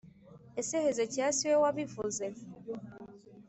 Ese Hezekiya si we wabivuze